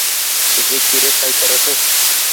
— Беҙҙе кире ҡайтарығыҙ!